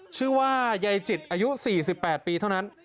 ชื่อว่ายายจิตอายุ๔๘ปีเท่านั้น